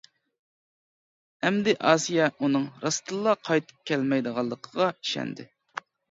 ئەمدى ئاسىيە ئۇنىڭ راستتىنلا قايتىپ كەلمەيدىغانلىقىغا ئىشەندى.